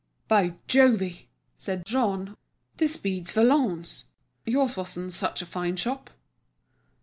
"By Jove!" said Jean, "this beats Valognes. Yours wasn't such a fine shop."